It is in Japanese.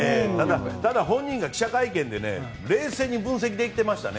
ただ本人が記者会見で冷静に分析できてましたね。